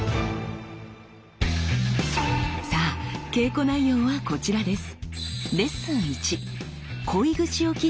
さあ稽古内容はこちらです。